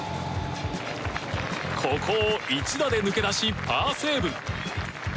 ここを１打で抜け出しパーセーブ。